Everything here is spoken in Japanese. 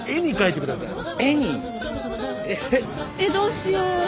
えっどうしよう。